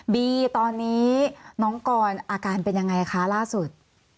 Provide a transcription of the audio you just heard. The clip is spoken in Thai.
บีตอนนี้น้องกรอาการเป็นยังไงคะล่าสุด